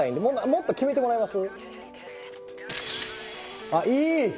もっと決めてもらえます？